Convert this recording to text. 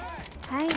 はい。